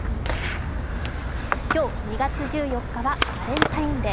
今日２月１４日はバレンタインデー。